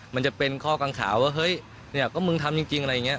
มันจะเป็นข้อกังข่าวว่าเฮ้ยเนี่ยก็มึงทำจริงอะไรอย่างนี้